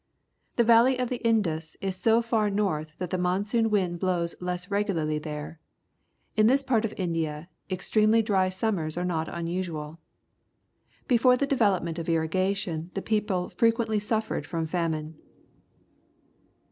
The valley of the Indus is so far north that the monsoon winds blow less regularly there. In this part of India extremely dry summers are not unusual. Before the development of irrigation the people frequently suffered from famine.